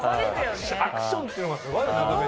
アクションっていうのがすごいよね。